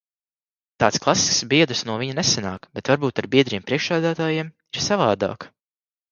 Tāds klasisks biedrs no viņa nesanāk, bet varbūt ar biedriem priekšsēdētājiem ir savādāk.